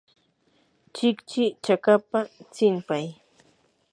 kichki chakapa tsinpay.